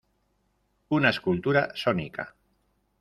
Una escultura sónica".